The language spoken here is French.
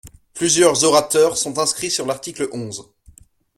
Plusieurs orateurs sont inscrits sur l’article onze.